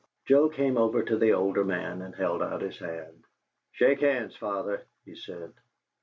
Joe came over to the older man and held out his hand. "Shake hands, father," he said.